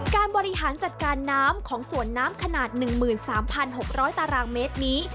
การบริหารจัดการน้ำของสวนน้ำขนาด๑๓๖๐๐ตารางเมตรนี้